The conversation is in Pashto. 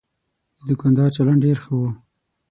د دوکاندار چلند ډېر ښه و.